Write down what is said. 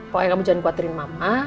pokoknya kamu jangan khawatirin mama